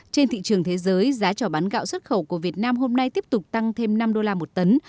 trên thị trường thế giới giá trò bán gạo xuất khẩu của việt nam hôm nay tiếp tục tăng thêm năm đô la một tấn